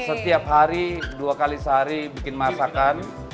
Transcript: setiap hari dua kali sehari bikin masakan